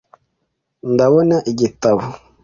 Ndabona igitabo .